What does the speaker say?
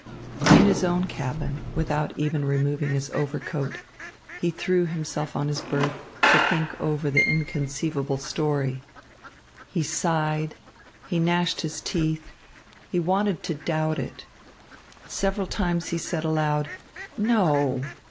In his own cabin, without even removing his overcoat, he threw himself on his berth to think over the inconceivable story. He sighed, he gnashed his teeth, he wanted to doubt it. Several times he said aloud, "No!"